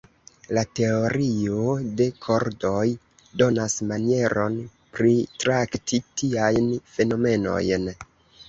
La Teorio de kordoj donas manieron pritrakti tiajn fenomenojn.